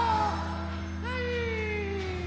はい。